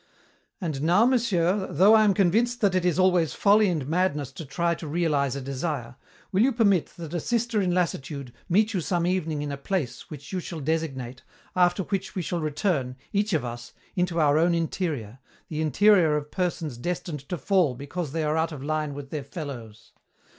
"And now, Monsieur, though I am convinced that it is always folly and madness to try to realize a desire, will you permit that a sister in lassitude meet you some evening in a place which you shall designate, after which we shall return, each of us, into our own interior, the interior of persons destined to fall because they are out of line with their 'fellows'?